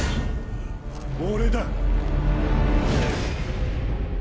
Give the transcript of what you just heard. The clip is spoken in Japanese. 俺だ。